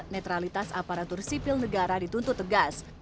netralitas aparatur sipil negara dituntut tegas